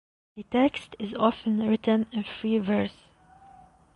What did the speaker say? The text is often written in free verse.